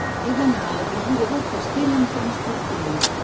He d'anar a l'avinguda del Castell amb trasport públic.